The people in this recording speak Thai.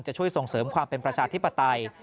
ช่วยส่งเสริมความเป็นประชาธิปไตย